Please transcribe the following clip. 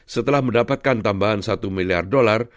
setelah mendapatkan tambahan satu miliar dolar